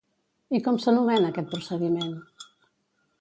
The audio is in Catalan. I com s'anomena aquest procediment?